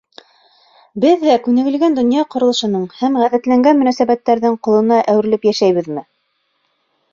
Беҙ ҙә күнегелгән донъя ҡоролошоноң һәм ғәҙәтләнгән мөнәсәбәттәрҙең ҡолона әүерелеп йәшәмәйбеҙме?